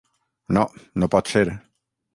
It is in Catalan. No, no pot ser.